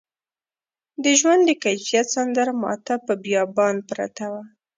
د ژوند د کیف سندره ماته په بیابان پرته وه